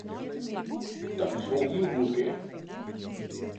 Dat is wol hiel goedkeap!